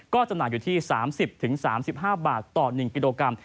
ก็จำหน่ายอยู่ที่๓๐๓๕บาทต่อ๑กิโลกรัม